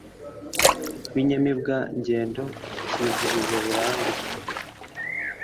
Bi inyamibwa ngendo Kizihiza buranga